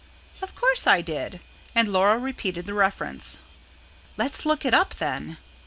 "Of course I did" and Laura repeated the reference. "Let's look it up then."